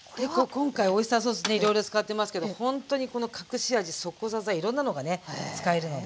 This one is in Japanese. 今回オイスターソースねいろいろ使ってますけどほんとにこの隠し味いろんなのがね使えるので。